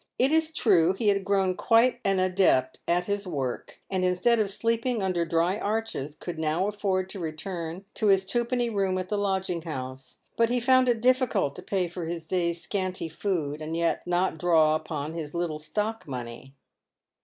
It is true, he had grown quite an adept at his work, and instead of sleeping under dry arches could now afford to return to his twopenny bed at the lodging house, but he found it difficult to pay for his day's scanty food, and yet not draw upon his little stock money.